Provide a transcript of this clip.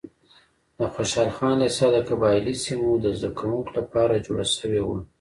د خوشحال خان لیسه د قبایلي سیمو د زده کوونکو لپاره جوړه شوې وه.